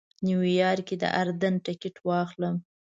نیویارک کې د اردن ټکټ واخلم.